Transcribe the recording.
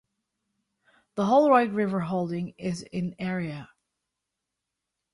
The Holroyd River Holding is in area.